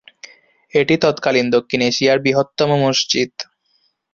এটি তৎকালীন দক্ষিণ এশিয়ার বৃহত্তম মসজিদ।